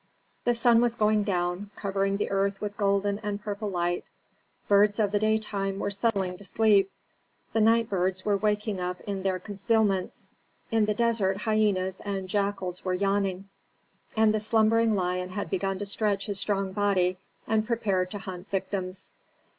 The sun was going down, covering the earth with golden and purple light. Birds of the daytime were settling to sleep, the night birds were waking up in their concealments. In the desert hyenas and jackals were yawning, and the slumbering lion had begun to stretch his strong body and prepare to hunt victims.